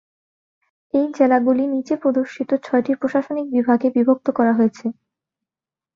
এই জেলাগুলি নীচে প্রদর্শিত ছয়টি প্রশাসনিক বিভাগে বিভক্ত করা হয়েছে।